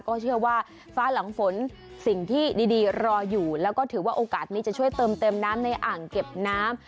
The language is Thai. ก็เชื่อว่าฟ้าหลังฝนสิ่งที่ดีรออยู่แล้วก็ถือว่าโอกาสนี้จะช่วยเติมน้ำในอ่างเก็บน้ำ